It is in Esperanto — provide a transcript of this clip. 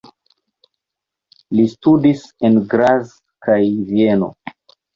Li studis en Graz kaj Vieno.